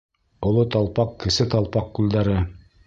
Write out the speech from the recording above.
Оло Талпаҡ, Кесе Талпаҡ күлдәре...